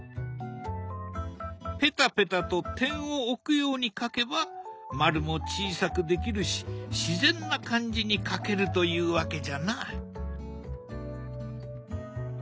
ペタペタと点を置くように描けば丸も小さくできるし自然な感じに描けるというわけじゃな。